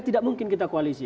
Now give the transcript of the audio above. tidak mungkin kita koalisi